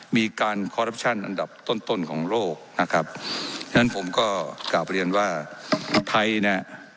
มีการอันดับต้นต้นของโลกนะครับฉะนั้นผมก็กลับเรียนว่าไทยน่ะ